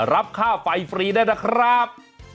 รับค่าไฟฟรีได้นะครับ